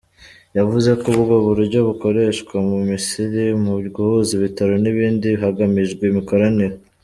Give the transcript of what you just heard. Yavuze ko ubwo buryo bukoreshwa mu Misiri mu guhuza ibitaro n’ibindi hagamijwe imikoranire.